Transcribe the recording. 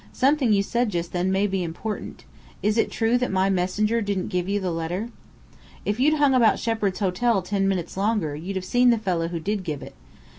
Something you said just then may be important. Is it true that my messenger didn't give you the letter?" "If you'd hung about Shepheard's Hotel ten minutes longer, you'd have seen the fellow who did give it.